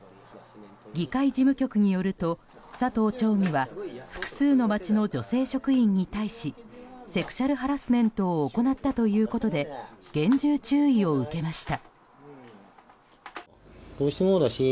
議会事務局によると佐藤町議は複数の町の女性職員に対しセクシュアルハラスメントを行ったということで厳重注意を受けました。